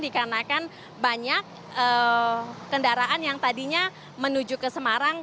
dikarenakan banyak kendaraan yang tadinya menuju ke semarang